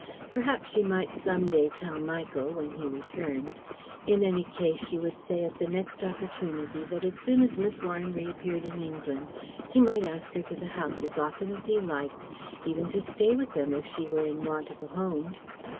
Perhaps she might some day tell Michael, when he returned. In any case she would say at the next opportunity that as soon as Miss Warren reappeared in England, he might ask her to the house as often as he liked even to stay with them if she were in want of a home.